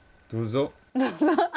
どうぞ。